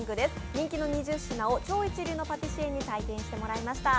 人気の２０品を超一流のパティシエに採点していただきました。